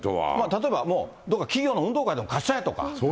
例えばもうどっか企業の運動会でも貸しちゃえと。